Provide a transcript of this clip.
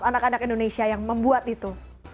anak anak indonesia yang membuat itu